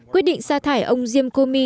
quyết định xa thải ông james comey